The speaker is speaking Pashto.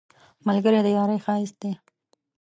ملګری د یارۍ ښایست دی